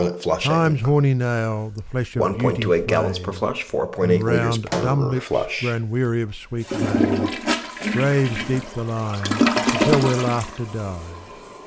'T'IME'S horny nail the flesh of beauty flays; *• And round dumb hps grown weary of sweet lays Graves deep the line to tell where laughter died.